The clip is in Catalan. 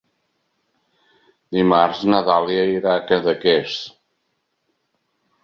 Dimarts na Dàlia irà a Cadaqués.